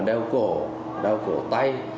đau cổ đau cổ tay